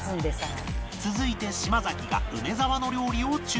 続いて島崎が梅沢の料理を注文